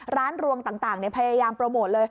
รวงต่างพยายามโปรโมทเลย